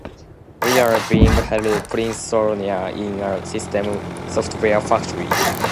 We're being held prisoner in a system software factory!